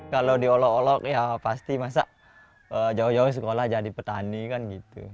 kalau diolok olok ya pasti masa jauh jauh sekolah jadi petani kan gitu